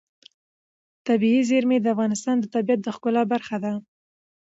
طبیعي زیرمې د افغانستان د طبیعت د ښکلا برخه ده.